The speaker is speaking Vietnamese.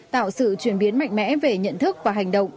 tạo sự chuyển biến mạnh mẽ về nhận thức và hành động